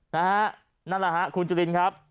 นั่นล่ะคุณจุฬินครับ